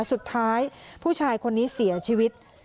สุดท้ายผู้ชายคนนี้เสียชีวิต